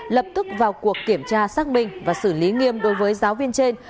lập tức vào cuộc kiểm tra xác minh và xử lý nghiêm đối với giáo viên trên